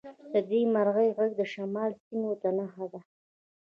د دې مرغۍ غږ د شمالي سیمو نښه ده